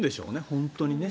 本当にね。